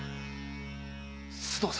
須藤様